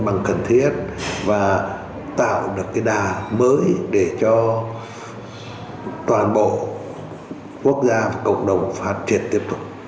bằng cần thiết và tạo được cái đà mới để cho toàn bộ quốc gia và cộng đồng phát triển tiếp tục